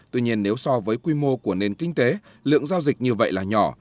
tuy nhiên nếu so với quy mô của nền kinh tế lượng giao dịch như vậy là nhỏ